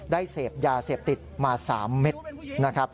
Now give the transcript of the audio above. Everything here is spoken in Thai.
เสพยาเสพติดมา๓เม็ดนะครับ